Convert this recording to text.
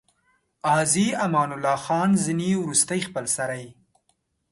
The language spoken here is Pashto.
عازي امان الله خان ځینې وروستۍخپلسرۍ.